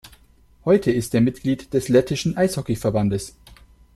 Heute ist er Mitglied des Lettischen Eishockeyverbandes.